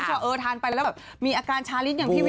ว่าเออทานไปแล้วแบบมีอาการชาลิ้นอย่างที่วิว